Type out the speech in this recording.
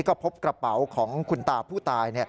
ก็พบกระเป๋าของคุณตาผู้ตาย